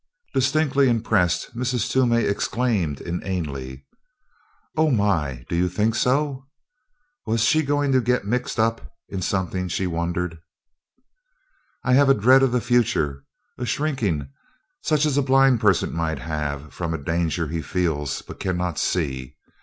Distinctly impressed, Mrs. Toomey exclaimed inanely: "Oh, my! Do you think so?" Was she going to get "mixed up" in something, she wondered. "I have a dread of the future a shrinking such as a blind person might have from a danger he feels but cannot see.